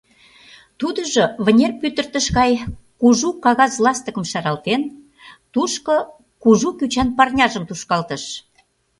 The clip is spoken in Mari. Тудыжо, вынер пӱтыртыш гай кужу кагаз ластыкым шаралтен, тушко кужу кӱчан парняжым тушкалтыш.